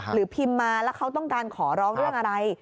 พิมพ์มาแล้วเขาต้องการขอร้องเรื่องอะไร